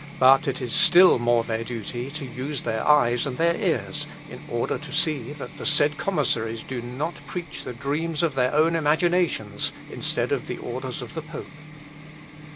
"But it is still more their duty to use their eyes and their ears, in order to see that the said commissaries do not preach the dreams of their own imaginations instead of the orders of the pope.